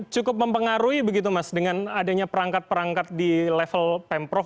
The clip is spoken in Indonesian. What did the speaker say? cukup mempengaruhi begitu mas dengan adanya perangkat perangkat di level pemprov